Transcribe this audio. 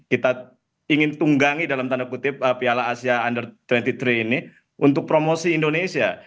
kita ingin tunggangi dalam tanda kutip piala asia under dua puluh tiga ini untuk promosi indonesia